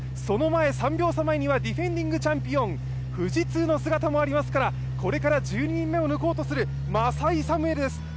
その３秒差前にはディフェンディングチャンピオン富士通の姿もありますから、これから１０人目を抜こうとするマサイ・サムウェルです。